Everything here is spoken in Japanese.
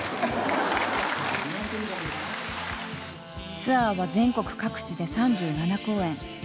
ツアーは全国各地で３７公演。